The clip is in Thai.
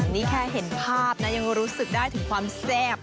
นี่แค่เห็นภาพนะยังรู้สึกได้ถึงความแซ่บ